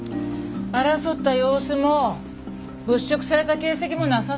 争った様子も物色された形跡もなさそうね。